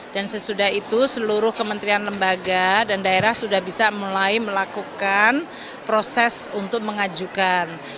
dan sesudah itu seluruh kementerian lembaga dan daerah sudah bisa mulai melakukan proses untuk mengajukan